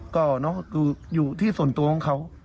ก็เนอะคืออยู่ที่ส่วนตัวของเขา